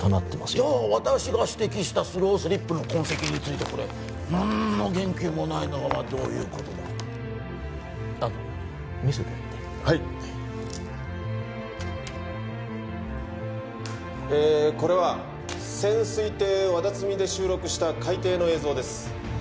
じゃあ私が指摘したスロースリップの痕跡についてこれ何の言及もないのはどういうことだ安藤君見せてあげてはいえこれは潜水艇わだつみで収録した海底の映像です